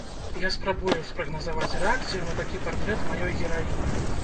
Я спрабую спрагназаваць рэакцыю на такі партрэт маёй гераіні.